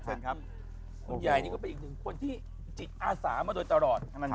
เชิญครับคุณใหญ่นี่ก็เป็นอีกหนึ่งคนที่จิตอาสามาโดยตลอด